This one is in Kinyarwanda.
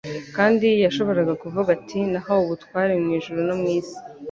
kandi yashoboraga kuvuga ati: "Nahawe ubutware mu ijuru no mu isi."